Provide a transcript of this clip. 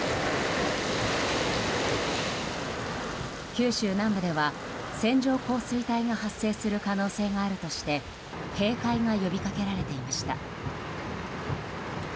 九州南部では線状降水帯が発生する可能性があるとして警戒が呼びかけられていました。